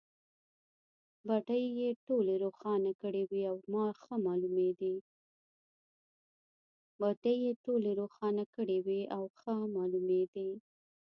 بټۍ یې ټولې روښانه کړې وې او ښه مالومېدې.